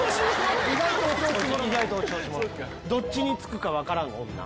どっちにつくか分からん女。